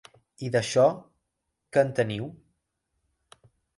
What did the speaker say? I d'això, que en teniu?